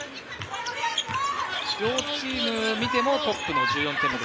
両チーム見てもトップの１４点です。